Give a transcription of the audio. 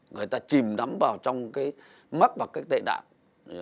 người ta chìm nắm vào trong cái mắt và cái tệ đạng